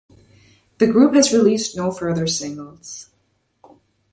The group has released no further singles.